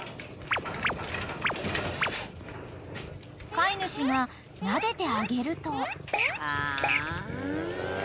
［飼い主がなでてあげると］